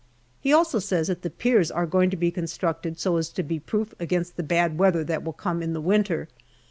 He also says that the piers are going to be constructed so as to be proof against the bad weather that will come in the winter.